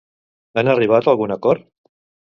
Han arribat a algun acord?